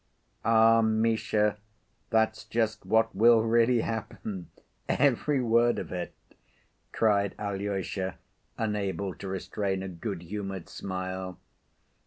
"Ah, Misha, that's just what will really happen, every word of it," cried Alyosha, unable to restrain a good‐humored smile.